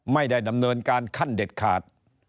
ไม่ได้ดำเนินการขั้นเด็ดขาด